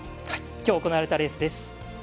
きょう行われたレースです。